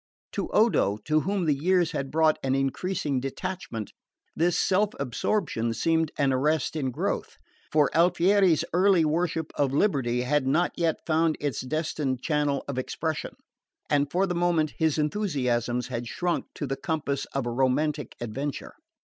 To Odo, to whom the years had brought an increasing detachment, this self absorption seemed an arrest in growth; for Alfieri's early worship of liberty had not yet found its destined channel of expression, and for the moment his enthusiasms had shrunk to the compass of a romantic adventure.